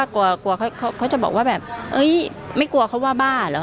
กลัวเขาจะบอกว่าแบบไม่กลัวเขาว่าบ้าเหรอ